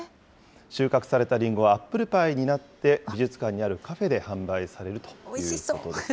収穫されたりんごはアップルパイになって、美術館にあるカフェで販売されるということです。